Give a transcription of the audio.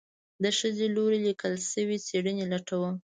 د ښځې لوري ليکل شوي څېړنې لټوم